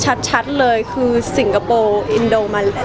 แต่จริงแล้วเขาก็ไม่ได้กลิ่นกันว่าถ้าเราจะมีเพลงไทยก็ได้